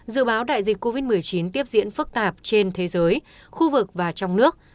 dự báo đại dịch covid một mươi chín tiếp diễn phức tạp trên thế giới khu vực và trong nước